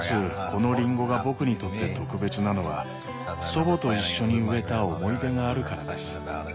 このリンゴが僕にとって特別なのは祖母と一緒に植えた思い出があるからです。